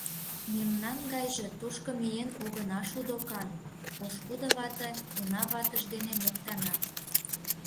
Мемнан гайже тушко миен огына шу докан! — пошкудо вате уна ватыж дене моктана.